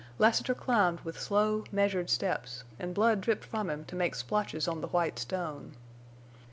Lassiter climbed with slow, measured steps, and blood dripped from him to make splotches on the white stone.